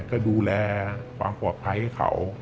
ก็ดูแลความปลอดภัยให้เขา